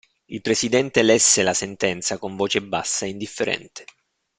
Il presidente lesse la sentenza con voce bassa e indifferente.